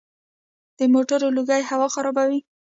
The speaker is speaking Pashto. د موټرو لوګی هوا خرابوي.